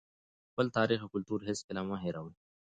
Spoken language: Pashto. خپل تاریخ او کلتور هېڅکله مه هېروئ.